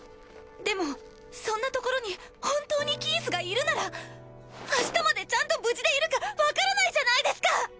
でもそんな所に本当にキースがいるなら明日までちゃんと無事でいるか分からないじゃないですか！